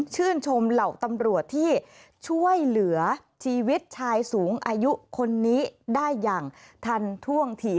ชื่นชมเหล่าตำรวจที่ช่วยเหลือชีวิตชายสูงอายุคนนี้ได้อย่างทันท่วงที